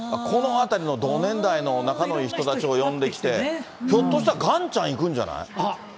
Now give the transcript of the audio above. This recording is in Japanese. このあたりの同年代の仲のいい人たちを呼んできて、ひょっとしたら、がんちゃんいくんじゃない？